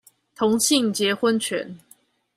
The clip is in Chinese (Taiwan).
同性結婚權